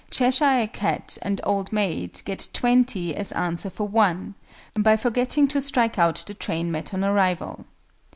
CHESHIRE CAT and OLD MAID get "20" as answer for (1), by forgetting to strike out the train met on arrival.